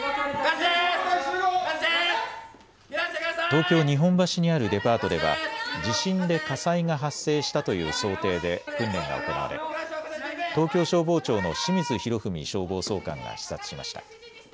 東京日本橋にあるデパートでは地震で火災が発生したという想定で訓練が行われ東京消防庁の清水洋文消防総監が視察しました。